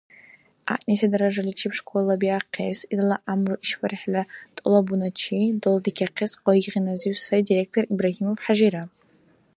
ГӀягӀниси даражаличиб школа биахъес, илала гӀямру ишбархӀила тӀалабуначи далдикахъес къайгъназив сай директор Ибрагьимов ХӀяжира.